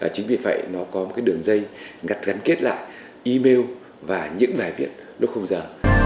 chính vì vậy nó có một cái đường dây gắn kết lại email và những bài viết lúc không giờ